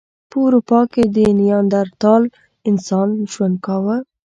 په اروپا کې نیاندرتال انسان ژوند کاوه.